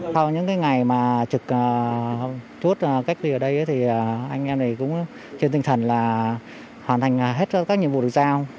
sau những ngày mà trực chốt cách ly ở đây thì anh em này cũng trên tinh thần là hoàn thành hết các nhiệm vụ được giao